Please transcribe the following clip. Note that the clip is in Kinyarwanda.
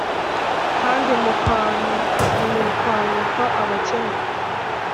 kandi mukanyukanyuka abakene?»